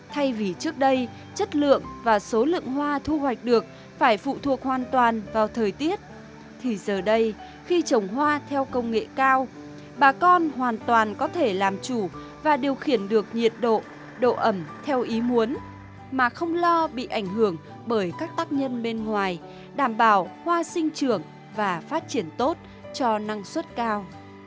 thay vì trước đây chất lượng và số lượng hoa thu hoạch được phải phụ thuộc hoàn toàn vào thời tiết thì giờ đây khi trồng hoa theo công nghệ cao bà con hoàn toàn có thể làm chủ và điều khiển được nhiệt độ độ ẩm theo ý muốn mà không lo bị ảnh hưởng bởi các tác nhân bên ngoài đảm bảo hoa sinh trưởng và phát triển tốt cho năng suất cao